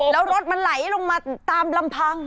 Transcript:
แล้วรถมันไหลลงมาตามลำพัง